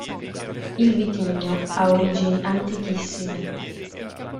Il vitigno ha origini antichissime.